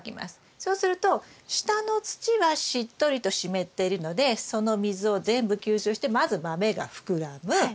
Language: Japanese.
そうすると下の土はしっとりと湿っているのでその水を全部吸収してまずマメが膨らむ。